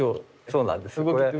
そうなんです。